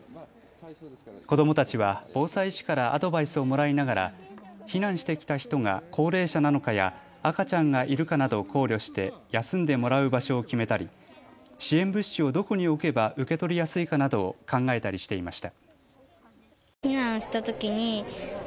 子どもたちは防災士からアドバイスをもらいながら避難してきた人が高齢者なのかや赤ちゃんがいるかなどを考慮して休んでもらう場所を決めたり、支援物資をどこに置けば受け取りやすいかなどを考えたりしていました。